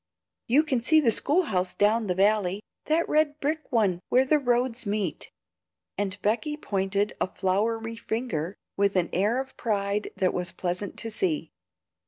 You can see the school house down the valley, that red brick one where the roads meet;" and Becky pointed a floury finger, with an air of pride that was pleasant to see.